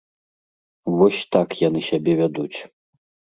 Вось так яны сябе вядуць.